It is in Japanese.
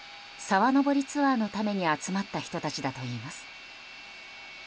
沢登りツアーのために集まった人たちだといいます。